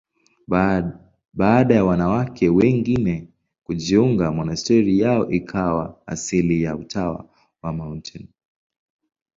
Baada ya wanawake wengine kujiunga, monasteri yao ikawa asili ya Utawa wa Mt.